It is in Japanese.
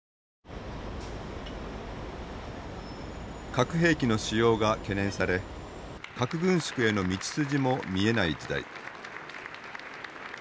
核兵器の使用が懸念され核軍縮への道筋も見えない時代。